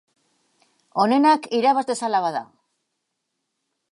Onenak irabaz dezala, bada!